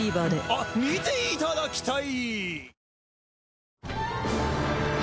あっ見ていただきたい！